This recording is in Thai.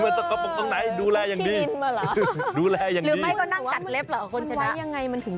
คือที่ฉันอย่ายาวนึงไม่เต้น